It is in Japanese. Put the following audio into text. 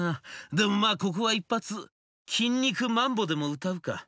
でもまあここは一発『キン肉マンボ』でも歌うか。